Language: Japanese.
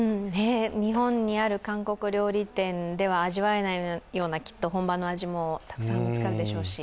日本にある韓国料理店では味わえないようなきっと本場の味もたくさん見つかるでしょうし。